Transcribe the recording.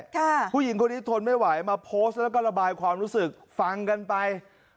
ผู้หญิงคนนี้ทนไม่ไหวมาโพสต์แล้วก็ระบายความรู้สึกฟังกันไป